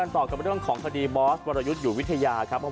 ต่อกับเรื่องของคดีบอสวรยุทธ์อยู่วิทยาครับ